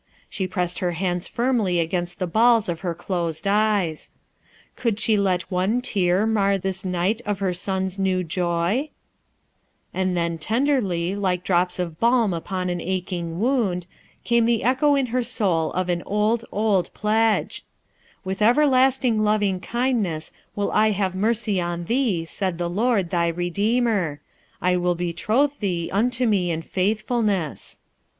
She pressed her hands firmly against the balls of her closed eyes Should she let one tear mar this night of her son's new joy? » TWO, AND TWO, AND TWO " 395 And then, tenderly, like drops of balm upon En aching wound, came the echo in her soul of an old, old pledge :" With everlasting loving kindness will I have mercy on thee, said the Lord, thy Redeemer ... I will betroth thee unto mc in faithfulness."